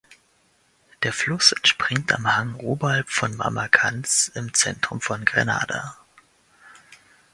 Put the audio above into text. Der Fluss entspringt am Hang oberhalb von Mamma Cannes im Zentrum von Grenada.